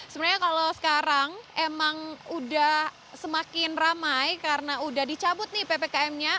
sebenarnya kalau sekarang emang udah semakin ramai karena udah dicabut nih ppkm nya